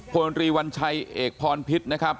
พลรีวัญชัยเอกพรพิษนะครับ